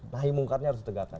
nahimungkarnya harus ditegakkan